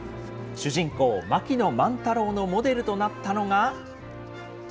主人公、槇野万太郎のモデルとなったのが。